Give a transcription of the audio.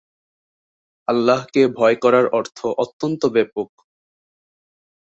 আল্লাহকে ভয় করার অর্থ অত্যন্ত ব্যাপক।